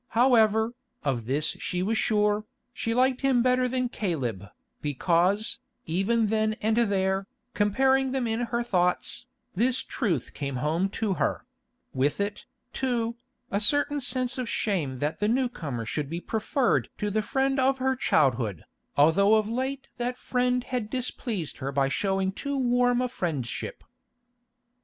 However, of this she was sure, she liked him better than Caleb, because, even then and there, comparing them in her thoughts, this truth came home to her; with it, too, a certain sense of shame that the newcomer should be preferred to the friend of her childhood, although of late that friend had displeased her by showing too warm a friendship.